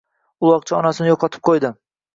Uloqcha onasini yoʻqotib qo'ydi.